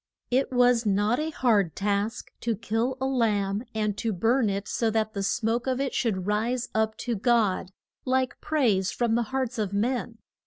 It was not a hard task to kill a lamb, and to burn it so that the smoke of it should rise up to God, like praise from the hearts of men.